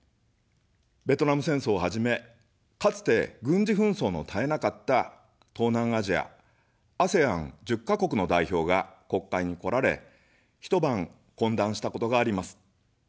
ベトナム戦争をはじめ、かつて、軍事紛争の絶えなかった東南アジアＡＳＥＡＮ１０か国の代表が国会に来られ、一晩懇談したことがあります。